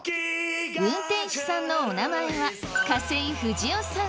運転手さんのお名前は嘉瀬井富二男さん。